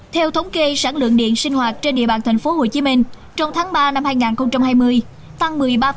theo thống kê sản lượng điện sinh hoạt trên địa bàn tp hcm trong tháng ba năm hai nghìn hai mươi tăng một mươi ba